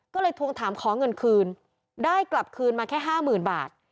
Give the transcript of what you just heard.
ก็เลยทวงถามของเงินคืนได้กลับคืนมาแค่๕๐๐๐๐บาท